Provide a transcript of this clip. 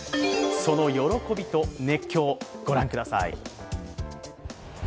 その喜びと熱狂をご覧ください。